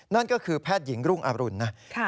นั่นก็คือแพทยิงรุ่งอรุณนะครับ